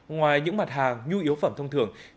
ngoài những mặt hàng nhu yếu phẩm thông thường